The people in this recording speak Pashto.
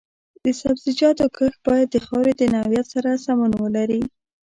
د سبزیجاتو کښت باید د خاورې د نوعیت سره سمون ولري.